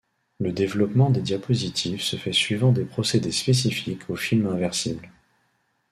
Le développement des diapositives se fait suivant des procédés spécifiques aux films inversibles.